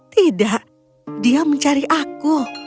tidak dia mencari aku